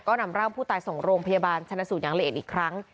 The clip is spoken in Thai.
ก็นำร่างผู้ตายส่งโรงพยาบาลชนสูตรยังเล่นอีกครั้ง